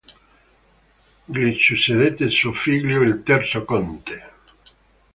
Gli succedette suo figlio, il terzo conte.